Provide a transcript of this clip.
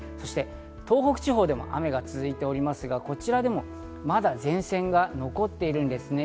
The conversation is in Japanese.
東北地方でも雨が続いておりますが、こちらでもまだ前線が残っているんですね。